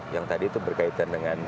yang tadi itu berkaitan dengan